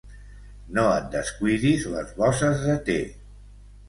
No et descuidis les bosses de té!